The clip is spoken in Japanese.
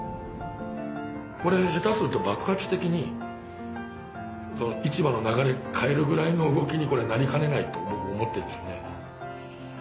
これ下手すると爆発的に市場の流れ変えるぐらいの動きにこれはなりかねないと僕思ってるんですよね。